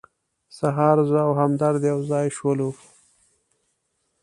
سهار زه او همدرد یو ځای شولو.